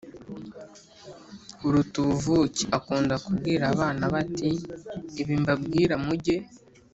buruta ubuvuke. Akunda kubwira abana be ati: “Ibi mbabwira muge